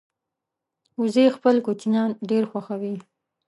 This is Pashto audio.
وزې خپل کوچنیان ډېر خوښوي